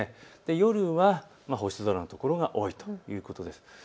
夜は星空のところが多いということです。